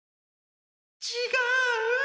ちがう。